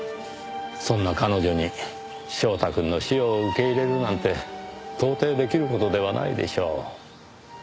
そんな彼女に翔太くんの死を受け入れるなんて到底出来る事ではないでしょう。